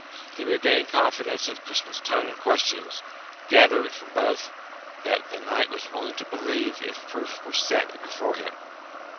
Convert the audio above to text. He regained confidence at Crispin's tone and questions, gathering from both that the knight was willing to believe if proof were set before him.